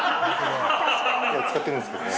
使ってるんですけどね。